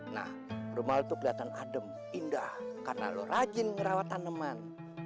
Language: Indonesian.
nah rumah lo tuh kelihatan adem indah karena lo rajin merawat tanaman